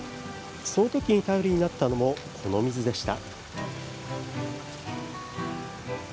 そのときに頼りになったのもこの水でした。